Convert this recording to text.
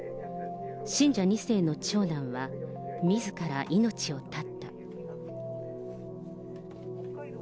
信者２世の長男は、みずから命を絶った。